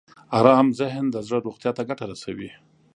ارام ذهن د زړه روغتیا ته ګټه رسوي.